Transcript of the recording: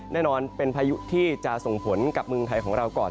แน่นอนเป็นพายุที่จะส่งผลกับเมืองไทยของเราก่อน